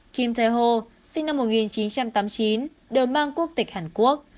kim tae ho sinh năm một nghìn chín trăm tám mươi chín đều mang quốc tịch hàn quốc